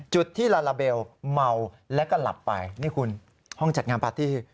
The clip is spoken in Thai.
จุดที่ลาลาเบลเมาแล้วก็หลับไปนี่คุณห้องจัดงานปาร์ตี้